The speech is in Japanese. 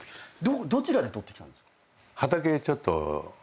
どちらで取ってきたんですか？